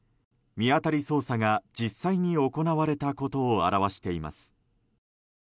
見当たり捜査が実際に行われたことを表しています。